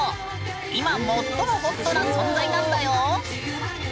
今最もホットな存在なんだよ！